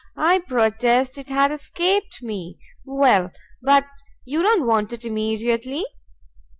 I protest it had escaped me. Well, but you don't want it immediately?"